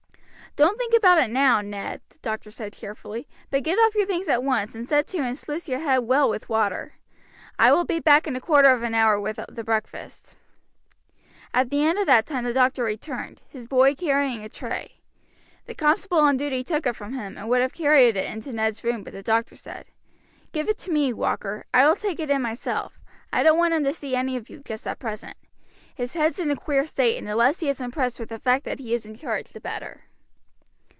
"Don't think about it now, Ned," the doctor said cheerfully, "but get off your things at once, and set to and sluice your head well with water. I will be back in a quarter of an hour with the breakfast." At the end of that time the doctor returned, his boy carrying a tray. The constable on duty took it from him, and would have carried it into Ned's room, but the doctor said: "Give it me, Walker. I will take it in myself. I don't want him to see any of you just at present. His head's in a queer state, and the less he is impressed with the fact that he is in charge the better."